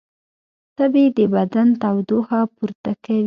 تبې د بدن تودوخه پورته کوي